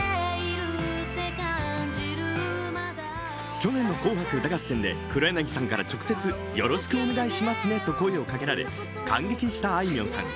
去年の「紅白歌合戦」で黒柳さんから直接、「よろしくお願いしますね」と声をかけられ感激したあいみょんさん。